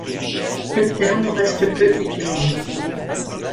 Le terme reste peu utilisé.